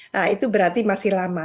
nah itu berarti masih lama